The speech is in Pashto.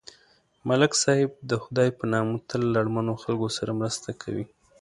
ملک صاحب د خدای په نامه تل له اړمنو خلکو سره مرسته کوي.